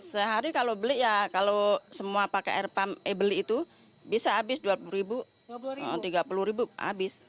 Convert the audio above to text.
sehari kalau beli ya kalau semua pakai air pump eh beli itu bisa habis dua puluh mau rp tiga puluh habis